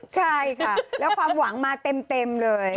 ใช่ค่ะแล้วความหวังมาเต็มเลย